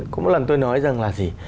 có một lần tôi nói rằng là gì